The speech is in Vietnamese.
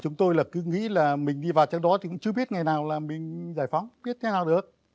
chúng tôi là cứ nghĩ là mình đi vào trang đó thì cũng chưa biết ngày nào là mình giải phóng biết thế nào được